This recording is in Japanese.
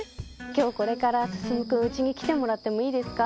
今日これから進君うちに来てもらってもいいですか？